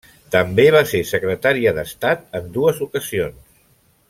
També va ser secretària d'estat en dues ocasions.